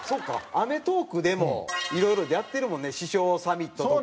『アメトーーク』でもいろいろやってるもんね師匠サミットとか。